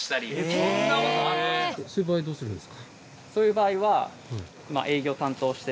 そういう場合は。